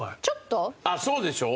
あっそうでしょ？